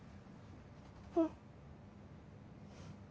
うん。